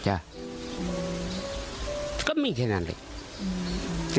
ข้ามันสามารถดูตัวหรือปฏิเสธ